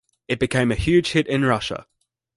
It became a huge hit in Russia.